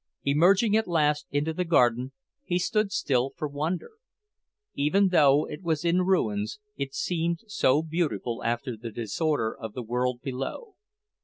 Emerging at last into the garden, he stood still for wonder; even though it was in ruins, it seemed so beautiful after the disorder of the world below.